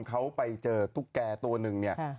เขาไปเจอตุ๊กแก่ตัวหนึ่งเนี่ย